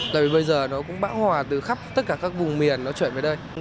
tại vì bây giờ nó cũng bão hòa từ khắp tất cả các vùng